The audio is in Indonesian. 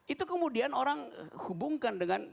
itu kemudian orang hubungkan dengan